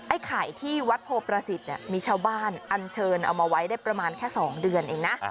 ไข่ที่วัดโพประสิทธิ์มีชาวบ้านอันเชิญเอามาไว้ได้ประมาณแค่๒เดือนเองนะ